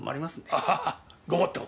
ああごもっとも。